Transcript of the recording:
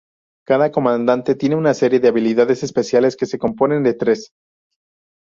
Cada comandante tiene una serie de habilidades especiales que se componen de tres.